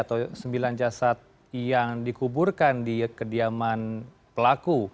atau sembilan jasad yang dikuburkan di kediaman pelaku